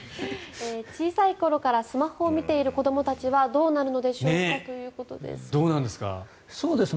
小さい頃からスマホを見ている子どもたちはどうなるのでしょうかということです。